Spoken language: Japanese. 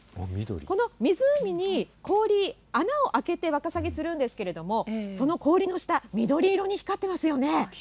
この湖に氷、穴を開けて、ワカサギ釣るんですけど、その氷の下、緑色に光ってますよね。